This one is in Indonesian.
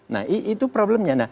nah itu problemnya